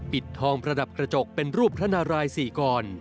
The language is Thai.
ปิดทองประดับกระจกเป็นรูปพระนาราย๔กร